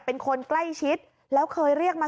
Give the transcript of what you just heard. เป็นคนใกล้ชิดแล้วเคยเรียกมา